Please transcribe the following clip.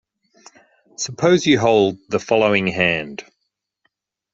Suppose you hold the following hand.